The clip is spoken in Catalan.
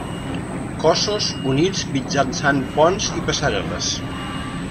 Cossos units mitjançant ponts i passarel·les.